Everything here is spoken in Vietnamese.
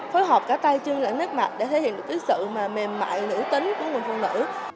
phối hợp cả tay chân lại nét mặt để thể hiện được cái sự mà mềm mại nữ tính của người phụ nữ